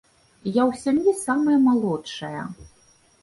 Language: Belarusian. Я ў сям'і самая малодшая.